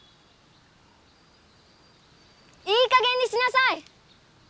いいかげんにしなさい！